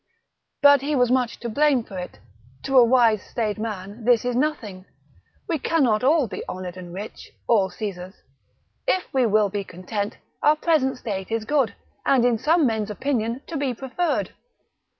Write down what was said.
But he was much to blame for it: to a wise staid man this is nothing, we cannot all be honoured and rich, all Caesars; if we will be content, our present state is good, and in some men's opinion to be preferred.